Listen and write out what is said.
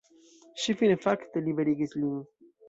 Ŝi fine fakte liberigis lin.